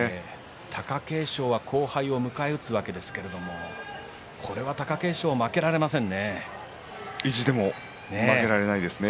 貴景勝は、後輩を迎え撃つわけですけれども意地でも負けられないですね。